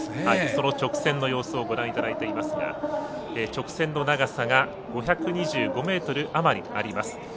その直線の様子をご覧いただいていますが直線の長さが５２５ｍあまりあります。